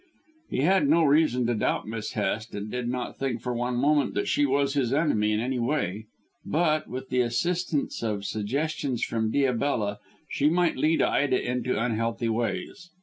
He had no reason to doubt Miss Hest, and did not think for one moment that she was his enemy in any way: but, with the assistance of suggestions from Diabella, she might lead Ida into unhealthy ways.